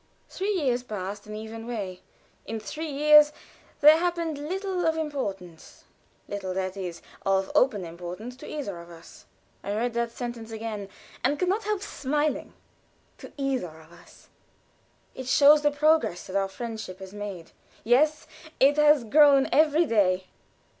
Three years passed an even way. In three years there happened little of importance little, that is, of open importance to either of us. I read that sentence again, and can not help smiling; "to either of us." It shows the progress that our friendship has made. Yes, it had grown every day.